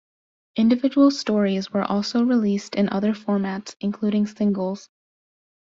Individual stories were also released in other formats, including singles.